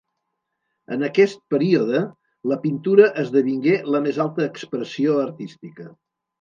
En aquest període la pintura esdevingué la més alta expressió artística.